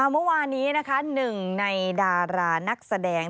เมื่อวานนี้นะคะหนึ่งในดารานักแสดง